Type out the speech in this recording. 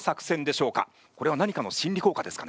これは何かの心理効果ですかね？